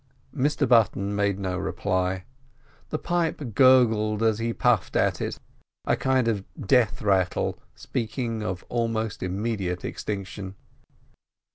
Mr Button made no reply. The pipe gurgled as he puffed at it—a kind of death rattle speaking of almost immediate extinction.